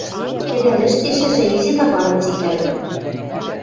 Кӹдӓл ӹштешӹжӹ изи таварым цикӓлмӹ.